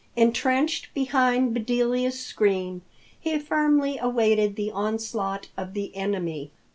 Entrenched behind Bedelia's screen, he firmly awaited the onslaught of the enemy.